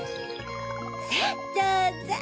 さぁどうぞ。